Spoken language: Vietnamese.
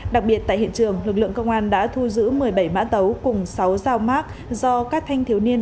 đặc biệt tại hiện trường lực lượng công an đã thu giữ một mươi bảy mã tấu cùng sáu dao mát do các thanh thiếu niên